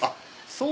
そう。